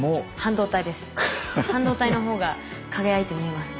半導体の方が輝いて見えますね。